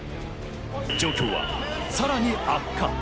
状況はさらに悪化。